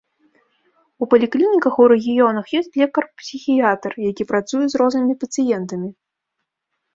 У паліклініках у рэгіёнах ёсць лекар-псіхіятр, які працуе з рознымі пацыентамі.